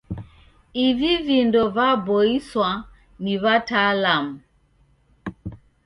Ivi vindo vaboiswa ni w'ataalamu.